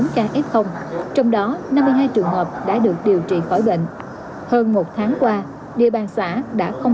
sáu mươi bốn ca f trong đó năm mươi hai trường hợp đã được điều trị khỏi bệnh hơn một tháng qua địa bàn xã đã không